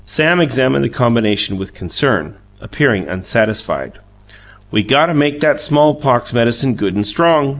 Sam examined the combination with concern, appearing unsatisfied. "We got to make that smallpox medicine good and strong!"